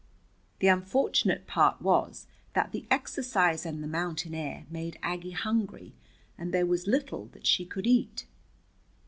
The unfortunate part was that the exercise and the mountain air made Aggie hungry, and there was little that she could eat.